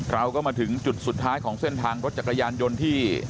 เราก็มาถึงจุดสุดท้ายของเส้นทางรถจักรยานยนต์ที่